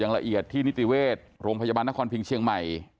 ละเอียดที่นิติเวชโรงพยาบาลนครพิงเชียงใหม่